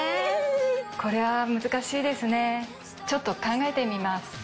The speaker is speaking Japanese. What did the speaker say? これは難しいですねちょっと考えてみます。